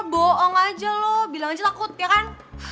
boong aja lo bilang aja takut ya kan